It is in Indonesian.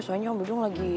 soalnya om dudung lagi